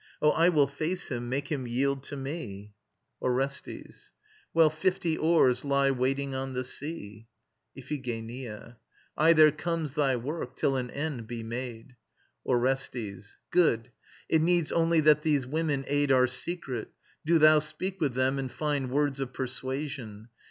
Oh, I will face him, make him yield to me. ORESTES. Well, fifty oars lie waiting on the sea. IPHIGENIA. Aye, there comes thy work, till an end be made. ORESTES. Good. It needs only that these women aid Our secret. Do thou speak with them, and find Words of persuasion.